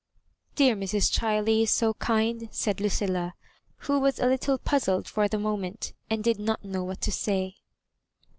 " Dear Mrs. Chiley is so kind," said Lucilla, who was a little puzzled for the moment, and did not know what to say.